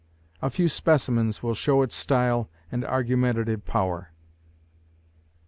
A few specimens will show its style and argumentative power.